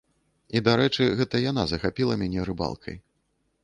І, дарэчы, гэта яна захапіла мяне рыбалкай.